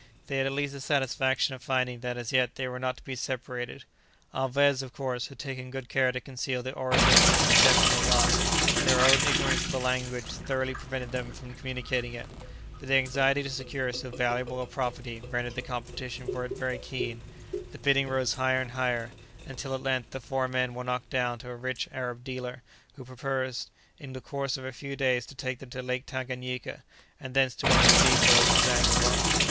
They had at least the satisfaction of finding that as yet they were not to be separated. Alvez, of course, had taken good care to conceal the origin of this exceptional lot, and their own ignorance of the language thoroughly prevented them from communicating it; but the anxiety to secure so valuable a property rendered the competition for it very keen; the bidding rose higher and higher, until at length the four men were knocked down to a rich Arab dealer, who purposed in the course of a few days to take them to Lake Tanganyika, and thence to one of the deptôs of Zanzibar.